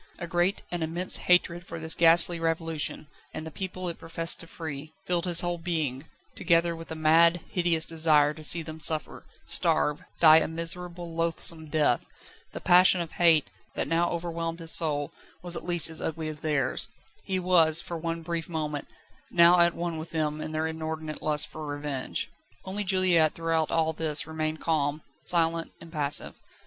A great, an immense hatred for this ghastly Revolution and the people it professed to free filled his whole being, together with a mad, hideous desire to see them suffer, starve, die a miserable, loathsome death. The passion of hate, that now overwhelmed his soul, was at least as ugly as theirs. He was, for one brief moment, now at one with them in their inordinate lust for revenge. Only Juliette throughout all this remained calm, silent, impassive.